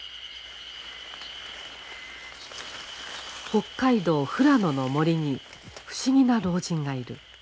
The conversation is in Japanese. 北海道富良野の森に不思議な老人がいる。